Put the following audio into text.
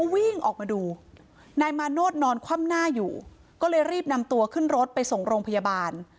วิ่งออกมาดูนายมาโนธนอนคว่ำหน้าอยู่ก็เลยรีบนำตัวขึ้นรถไปส่งโรงพยาบาล